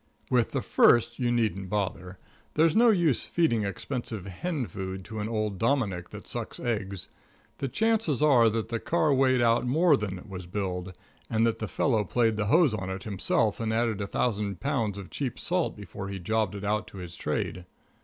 With the first you needn't bother. There's no use feeding expensive "hen food" to an old Dominick that sucks eggs. The chances are that the car weighed out more than it was billed, and that the fellow played the hose on it himself and added a thousand pounds of cheap salt before he jobbed it out to his trade.